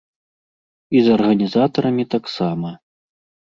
І з арганізатарамі таксама.